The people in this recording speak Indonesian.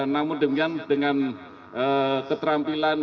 namun dengan keterampilan